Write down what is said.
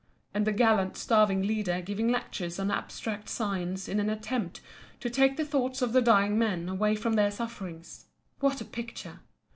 And the gallant starving leader giving lectures on abstract science in an attempt to take the thoughts of the dying men away from their sufferings—what a picture!